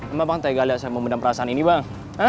emang bang tegah lihat saya memendam perasaan ini bang